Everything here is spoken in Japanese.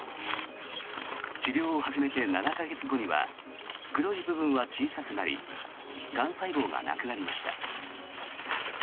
治療を始めて７か月後には黒い部分は小さくなりがん細胞がなくなりました。